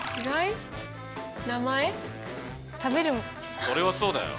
それはそうだよ！